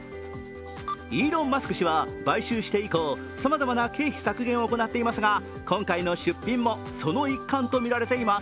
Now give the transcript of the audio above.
イーロンマスク氏は買収して以降、さまざまな経費削減を行っていますが今回の出品もその一環とみられています。